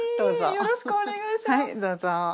よろしくお願いします。